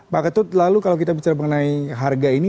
pak ketut lalu kalau kita bicara mengenai harga ini